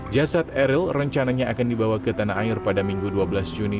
jasad eril rencananya akan dibawa ke tanah air pada minggu dua belas juni